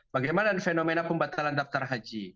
bagaimana fenomena pembatalan daftar haji